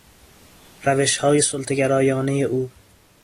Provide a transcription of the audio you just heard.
روشهای سلطه گرایانهی او